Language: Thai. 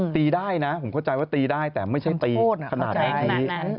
ตีได้นะผมเข้าใจว่าตีได้แต่ไม่ใช่ตีขนาดนี้